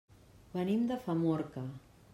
Venim de Famorca.